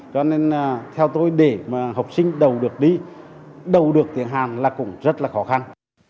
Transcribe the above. cho nên theo tôi để mà học sinh đầu được đi đầu được tiếng hàn là cũng rất là khó khăn